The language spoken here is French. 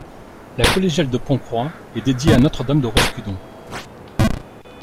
La collégiale de Pont-Croix est dédiée à Notre-Dame-de-Roscudon.